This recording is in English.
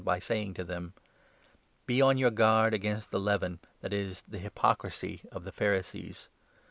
j^y sayingr to them : "Be on your guard against the leaven — that is, the hypo crisy— of the Pharisees.